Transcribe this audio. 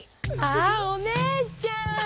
ああおねえちゃん！